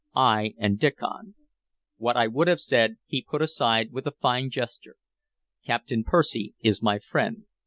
"I and Diccon" What I would have said he put aside with a fine gesture. "Captain Percy is my friend.